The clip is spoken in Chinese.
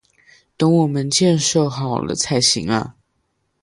得等我们建设好了才行啊